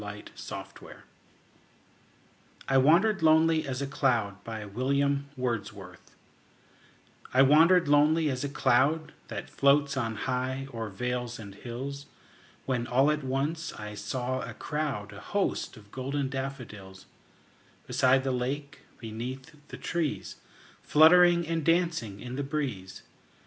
William Wordsworth I Wandered Lonely As a Cloud I WANDERED lonely as a cloud That floats on high o'er vales and hills, When all at once I saw a crowd, A host, of golden daffodils; Beside the lake, beneath the trees, Fluttering and dancing in the breeze.